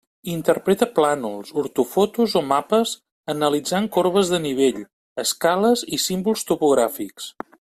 Interpreta plànols, ortofotos o mapes, analitzant corbes de nivell, escales i símbols topogràfics.